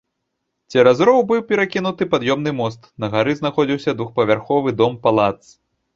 Цераз роў быў перакінуты пад'ёмны мост, на гары знаходзіўся двухпавярховы дом-палац.